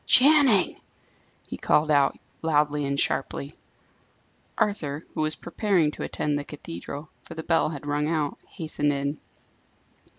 "Channing!" he called out, loudly and sharply. Arthur, who was preparing to attend the cathedral, for the bell had rung out, hastened in.